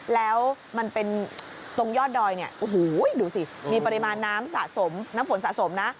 แล้วมันเป็นตรงยอดดอยเนี่ยโอ้โหดูสิมีปริมาณน้ำสะสมน้ำฝนสะสมนะ